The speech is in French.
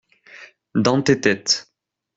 Dans tes têtes.